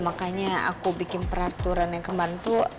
makanya aku bikin peraturan yang kemarin tuh